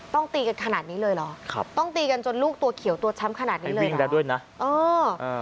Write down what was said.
ต้องตีกันขนาดนี้เลยเหรอครับต้องตีกันจนลูกตัวเขียวตัวช้ำขนาดนี้เลยเหรอ